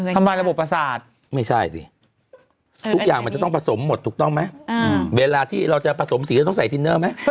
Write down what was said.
ทำลายระบบประสาทไม่ใช่ดิทุกอย่างมันจะต้องผสมหมดถูกต้องไหมเวลาที่เราจะผสมสีจะต้องใส่ทินเนอร์ไหม